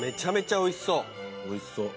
おいしそう。